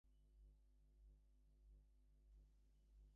Still, others consider it a regional variant of the parent species.